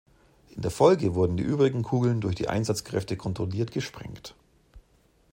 In der Folge wurden die übrigen Kugeln durch die Einsatzkräfte kontrolliert gesprengt.